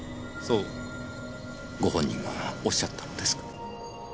そうご本人がおっしゃったのですか？